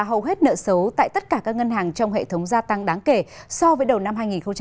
hầu hết nợ xấu tại tất cả các ngân hàng trong hệ thống gia tăng đáng kể so với đầu năm hai nghìn một mươi chín